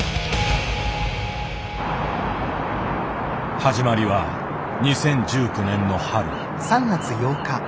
始まりは２０１９年の春。